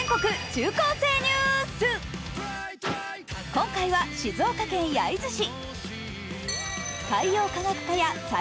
今回は静岡県焼津市。